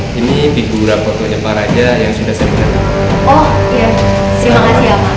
terima kasih apa